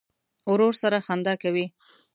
ورور سره خندا کوې.